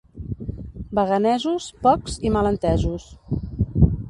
Baganesos, pocs i mal entesos.